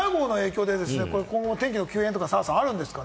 台風７号の影響で今後、天気の急変はあるんですか？